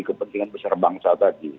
kepentingan besar bangsa tadi